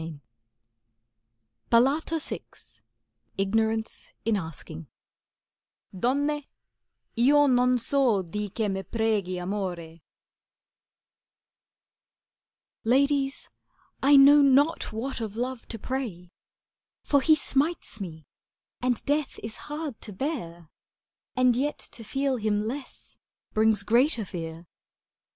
90 CANZONIERE IGNORANCE IN ASKING Donne, io non so di che ml fregh'i Amort Ladies, I know not what of Love to pray, For he smites me, and death is hard to bear, And yet to feel him less brings greater fear.